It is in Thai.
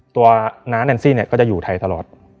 ตัวน้าแนนซี่ก็จะอยู่ไทยตลอด